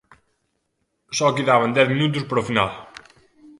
Só quedaban dez minutos para o final.